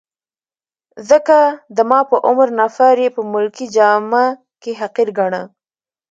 ځکه د ما په عمر نفر يې په ملکي جامه کي حقیر ګاڼه.